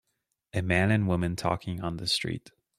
A man and woman talking on the street.